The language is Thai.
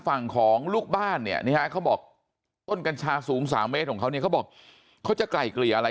ฝั่งของลูกบ้านเนี่ยนี่ฮะเขาบอกต้นกัญชาสูง๓เมตรของเขาเนี่ยเขาบอกเขาจะไกลเกลี่ยอะไร